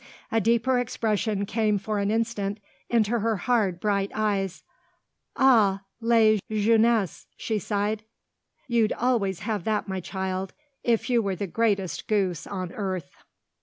A deeper expression came for an instant into her hard, bright eyes. "Ah la jeunesse!" she sighed. "You'd always have that, my child, if you were the greatest goose on earth!"